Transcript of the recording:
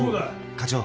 課長。